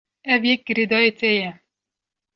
Ev yek girêdayî te ye.